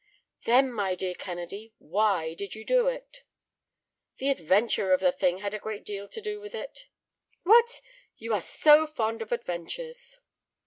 "Then, my dear Kennedy, why did you do it?" "The adventure of the thing had a great deal to do with it." "What! You are so fond of adventures!"